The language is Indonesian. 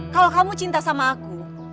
kalau kamu cinta sama aku